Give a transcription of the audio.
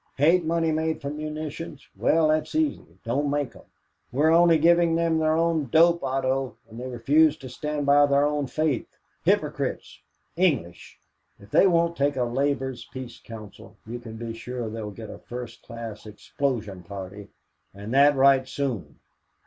'Hate money made from munitions?' Well, that's easy; don't make 'em. We're only giving them their own dope, Otto, and they refuse to stand by their own faith. Hypocrites! English! If they won't take a Labor's Peace Council, you can be sure they'll get a first class explosion party and that right soon."